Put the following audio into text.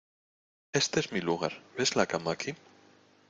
Éste es mi lugar, ¿ ves la cama aquí?